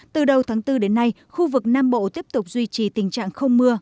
từ đầu tháng bốn đến nay khu vực nam bộ tiếp tục duy trì tình trạng không mưa